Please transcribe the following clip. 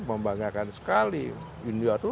membanggakan sekali india itu